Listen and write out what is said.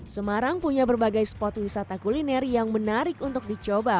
semarang punya berbagai spot wisata kuliner yang menarik untuk dicoba